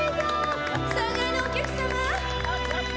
３階のお客様。